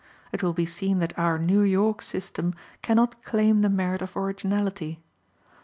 It will be seen that our New York system can not claim the merit of originality.